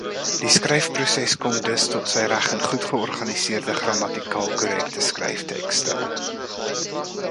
Die skryfproses kom dus tot sy reg in goedgeorganiseerde, grammatikaal korrekte skryftekste.